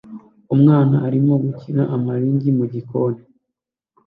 Umwana arimo gukina amarangi mugikoni